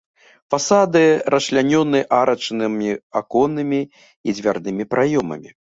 Фасады расчлянёны арачнымі аконнымі і дзвярнымі праёмамі.